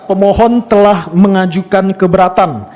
pemohon telah mengajukan keberatan